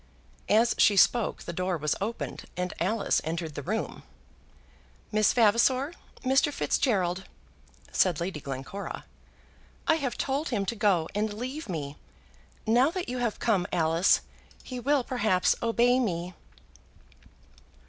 As she spoke the door was opened and Alice entered the room. "Miss Vavasor, Mr. Fitzgerald," said Lady Glencora. "I have told him to go and leave me. Now that you have come, Alice, he will perhaps obey me."